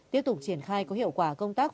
tiếp tục triển khai có hiệu quả công tác